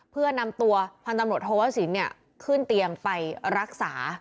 เพื่อนำตัวพันธุ์ตำรวจโทวสินขึ้นเตียงไปรักษา